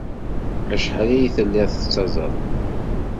Acḥal ay tellid tettazzaled?